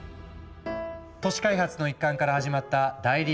都市開発の一環から始まった大リーグのボール